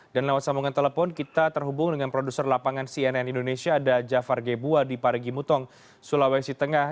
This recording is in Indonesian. dan lewat sambungan telepon kita terhubung dengan produser lapangan cnn indonesia ada jafar gebua di parigi mutong sulawesi tengah